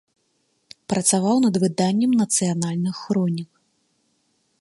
Працаваў над выданнем нацыянальных хронік.